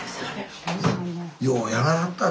ようやらはったな